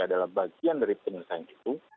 adalah bagian dari penyelesaian itu